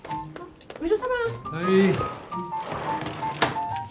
はい。